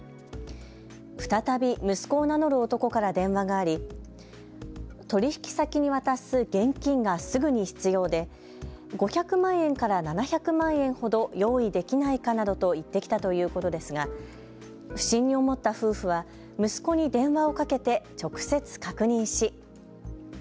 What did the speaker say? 再び息子を名乗る男から電話があり取引先に渡す現金がすぐに必要で５００万円から７００万円ほど用意できないかなどと言ってきたということですが不審に思った夫婦は息子に電話をかけて直接確認し。